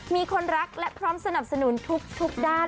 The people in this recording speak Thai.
มีคนรักและพร้อมสนับสนุนทุกด้าน